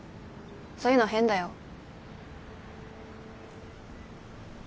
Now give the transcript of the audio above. そういうの変だよ。